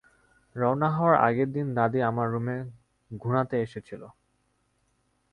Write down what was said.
রওনা হওয়ার আগের দিন, দাদী আমার রুমে ঘুনাতে এসেছিল।